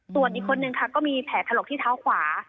ส่วนอีกคนนึงค่ะก็มีแผลถลกที่เท้าขวา